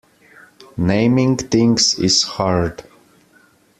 Naming things is hard.